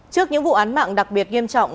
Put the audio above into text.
trước những vụ án mạng đặc biệt nghiêm trọng